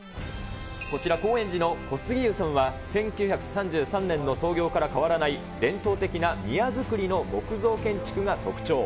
こちら高円寺の小杉湯さんは、１９３３年の創業から変わらない、伝統的な宮造りの木造建築が特徴。